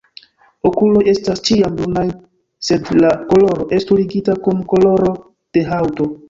Okuloj estas ĉiam brunaj, sed la koloro estu ligita kun koloro de haŭto.